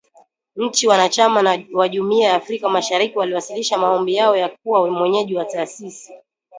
Nchi wanachama wa Jumuiya ya Afrika Mashariki waliwasilisha maombi yao ya kuwa mwenyeji wa taasisi